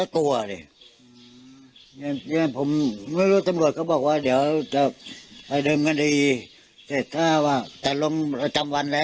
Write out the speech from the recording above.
จริงแล้วใจถ้าอยู่นี้ไม่ได้ก็กลับบ้านนุ่นน่ะ